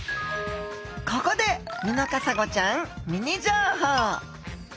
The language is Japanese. ここでミノカサゴちゃんミニ情報。